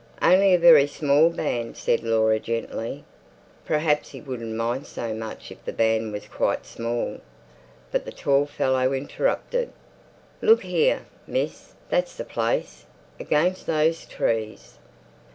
"Only a very small band," said Laura gently. Perhaps he wouldn't mind so much if the band was quite small. But the tall fellow interrupted. "Look here, miss, that's the place. Against those trees.